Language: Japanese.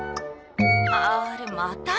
あれまた？